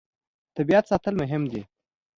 طبیعت ساتل مهم دي.